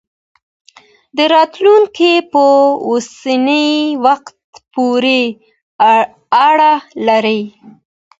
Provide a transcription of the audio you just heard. راتلونکی په اوسني وخت پورې اړه لري.